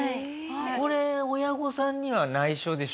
これ親御さんには内緒でしょ？